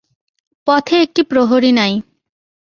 পথে একটি প্রহরী নাই।